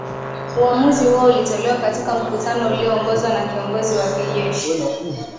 uamuzi huo ulitolewa katika mkutano ulioongozwa na kiongozi wa kijeshi